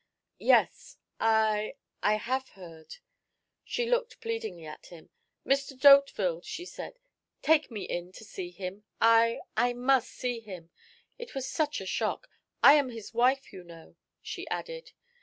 "Yes, I I have heard." She looked pleadingly at him. "Mr. D'Hauteville," she said, "take me in to see him. I I must see him. It was such a shock. I am his wife, you know," she added.